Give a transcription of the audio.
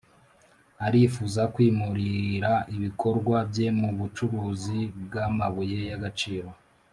Arifuza kwimurira ibikorwa bye mu bucuruzi bw’amabuye y’agaciro